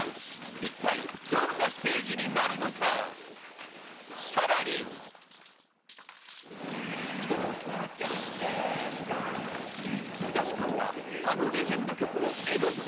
一体どんなステージになるのか更にスガシカオはあのレジェンド曲を「Ｍステ」